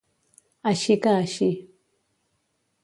Així que així.